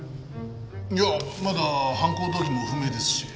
いやまだ犯行動機も不明ですし。